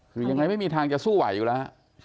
คือยังไงไม่มีทางจะสู้ไหวอยู่แล้วฮะ